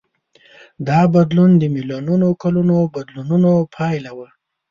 دا بدلون د میلیونونو کلونو بدلونونو پایله وه.